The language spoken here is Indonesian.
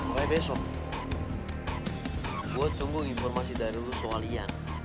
pada besok gue tunggu informasi dari lo soal yal